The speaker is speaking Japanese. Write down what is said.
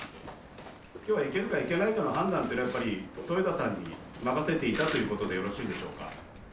きょうは行けるか行けないかの判断って、やっぱり豊田さんに任せていたということで、よろしいんでしょうか。